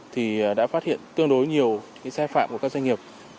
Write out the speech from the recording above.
thì đã phát hiện tương đối nhiều xe phạm của các doanh nghiệp